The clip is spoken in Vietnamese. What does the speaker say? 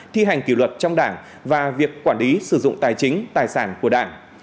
thi hành kỷ luật trong đảng và việc quản lý sử dụng tài chính tài sản của đảng